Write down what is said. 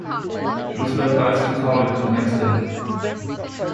She was baptized Catholic the next day.